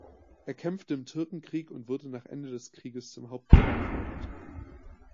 Er kämpfte im Türkenkrieg und wurde nach Ende des Krieges zum Hauptmann befördert.